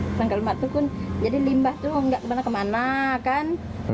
perangkap lemak itu jadi limbah itu nggak kemana mana kan